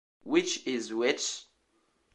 Which Is Which?